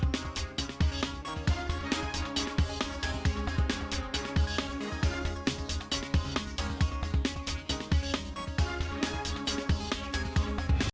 berikut daftar bidang usaha yang dipermudah agar bisa mendapatkan penanaman modal asing